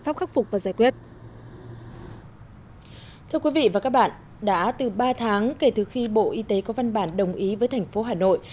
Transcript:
thưa quý vị và các bạn đã từ ba tháng kể từ khi bộ y tế có văn bản đồng ý với thành phố hà nội